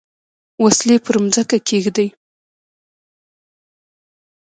وسلې پر مځکه کښېږدي.